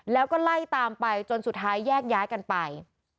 แล้วก็ไล่ตามไปจนสุดท้ายแยกย้ายกันไป